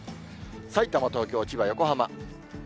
さいたま、東京、千葉、横浜。